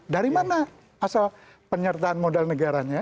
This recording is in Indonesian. dari mana asal penyertaan modal negaranya